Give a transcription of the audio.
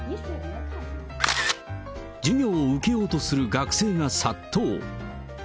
授業を受けようとする学生が殺到。